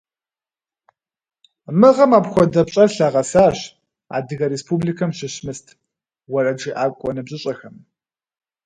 Мы гъэм апхуэдэ пщӏэр лъагъэсащ Адыгэ Республикэм щыщ «Мыст» уэрэджыӏакӏуэ ныбжьыщӏэхэм.